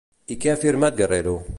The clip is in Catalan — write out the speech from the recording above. I què ha afirmat Guerrero?